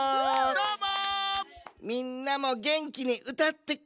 どーも！